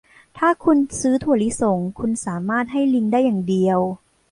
ถ้าคุณซื้อถั่วลิสง คุณสามารถให้ลิงได้อย่างเดียว